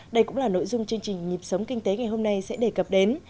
đây cũng là nội dung chương trình nhịp sống kinh tế ngày hôm nay sẽ đề cập đến